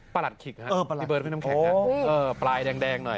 ปลาหลัดขีกที่เบิร์นพี่น้ำแข็งปลายแดงหน่อย